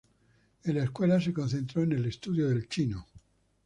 En la escuela se concentró en el estudio del chino.